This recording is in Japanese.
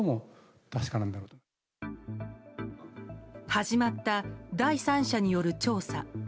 始まった、第三者による調査。